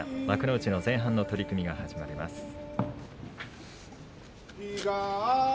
幕内の前半の取組が始まります。